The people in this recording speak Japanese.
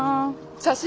写真？